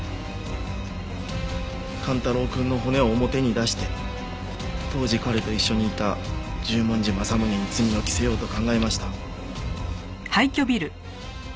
寛太郎くんの骨を表に出して当時彼と一緒にいた十文字政宗に罪を着せようと考えました。